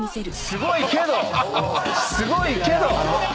すごいけど！